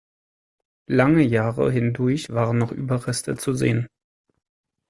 Lange Jahre hindurch waren noch Überreste zu sehen.